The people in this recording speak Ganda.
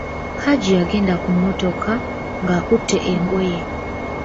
Hajji yagenda ku mmotoka, ng'akutte engoye.